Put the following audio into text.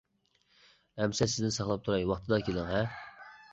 -ئەمىسە سىزنى ساقلاپ تۇراي ۋاقتىدا كېلىڭ ھە.